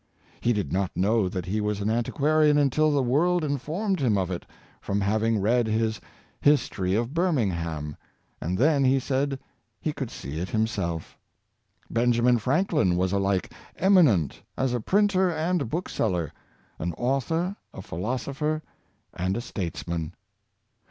He did not know that he was an antiquarian until the world informed him of it, from having read his '^ History of Birmingham," and then, he said, he could see it himself Benjamin Franklin was alike eminent as a printer and bookseller — an author, a philosopher, and a statesman.